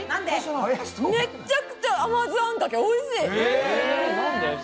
めちゃくちゃ甘酢あんかけ、おいしい！